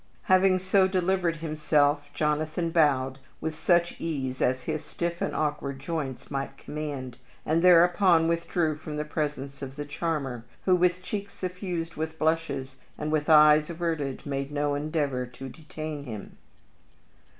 Having so delivered himself, Jonathan bowed with such ease as his stiff and awkward joints might command, and thereupon withdrew from the presence of the charmer, who, with cheeks suffused with blushes and with eyes averted, made no endeavor to detain him.